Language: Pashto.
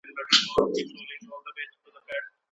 په لاس لیکل د هیري ناروغۍ لپاره ښه درمل دی.